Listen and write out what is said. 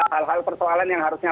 hal hal persoalan yang harusnya